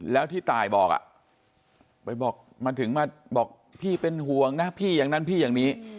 แล้วที่ตายบอกไปบอกมาถึงมาบอกพี่เป็นห่วงนะพี่อย่างนั้นพี่อย่างนี้